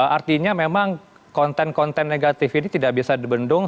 artinya memang konten konten negatif ini tidak bisa dibendung